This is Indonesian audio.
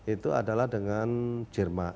itu adalah dengan jerman